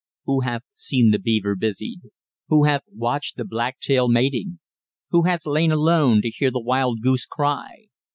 Who hath seen the beaver busied? Who hath watched the black tail mating? Who hath lain alone to hear the wild goose cry?